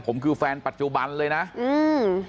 ผมคือแฟนปัจจุบันเลยนะอืม